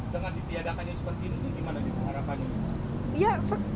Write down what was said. dengan ditiadakannya seperti ini gimana harapannya